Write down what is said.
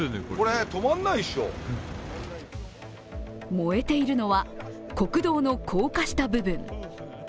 燃えているのは国道の高架下部分。